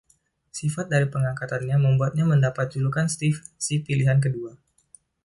Sifat dari pengangkatannya membuatnya mendapat julukan "Steve Si Pilihan Kedua".